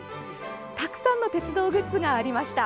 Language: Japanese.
たくさんの鉄道グッズがありました。